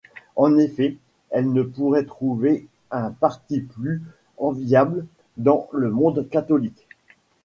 En effet, elle ne pourrait trouver un parti plus enviable dans le monde catholique.